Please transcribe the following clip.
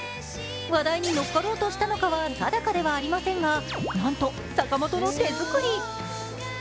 話題に乗っかろうとしたのかは定かではありませんがなんと坂本の手作り。